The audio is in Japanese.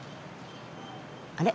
あれ？